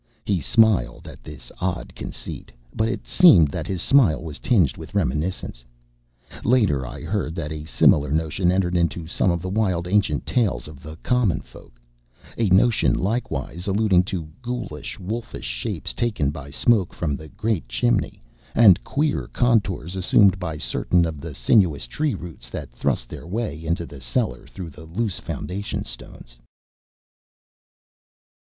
He smiled at this odd conceit, but it seemed that his smile was tinged with reminiscence. Later I heard that a similar notion entered into some of the wild ancient tales of the common folk a notion likewise alluding to ghoulish, wolfish shapes taken by smoke from the great chimney, and queer contours assumed by certain of the sinuous tree roots that thrust their way into the cellar through the loose foundation stones.